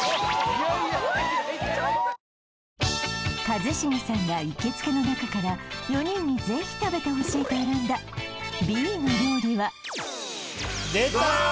一茂さんが行きつけの中から４人にぜひ食べてほしいと選んだＢの料理は出たよー！